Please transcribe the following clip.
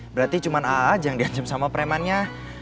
berarti cuman a aja yang di ancam sama premannya